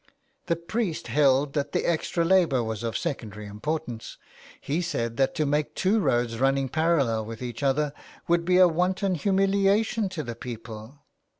The priest held that the extra labour was of secondary importance. He said that to make two roads running parallel with each other would be a wanton humilia tion to the people.